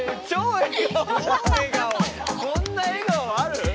こんな笑顔ある？